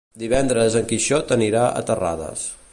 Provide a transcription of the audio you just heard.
Divendres en Quixot anirà a Terrades.